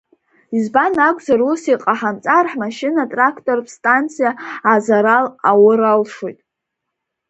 Избан акәзар ус иҟаҳамҵар ҳмашьына-трактортә станциа азарал аиур алшоит.